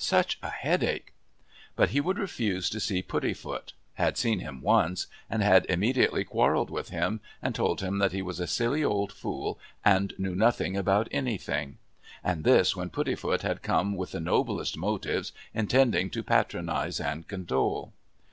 Such a headache!" But he would refuse to see Puddifoot; had seen him once, and had immediately quarrelled with him, and told him that he was a silly old fool and knew nothing about anything, and this when Puddifoot had come with the noblest motives, intending to patronise and condole.